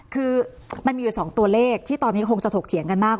คือมันมีอยู่๒ตัวเลขที่ตอนนี้คงจะถกเถียงกันมาก